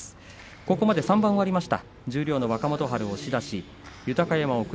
ここまで３番、終わりました。